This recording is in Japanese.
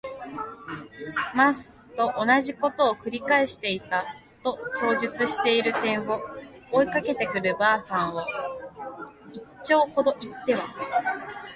ます。」とおなじことを「くり返していた。」と記述している点を、追いかけてくる婆さんを一町ほど行っては